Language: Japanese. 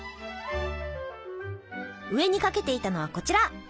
上にかけていたのはこちら！